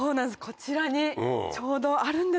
こちらにちょうどあるんですけども。